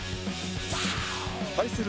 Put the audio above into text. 対する